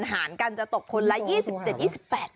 หารกันจะตกคนละ๒๗๒๘บาท